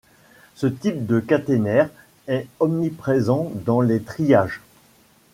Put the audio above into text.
Ce type de caténaire est omniprésent dans les triages.